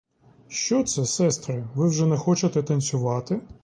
Що це, сестри, ви вже не хочете танцювати?